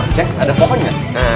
nah ini ada pohon ya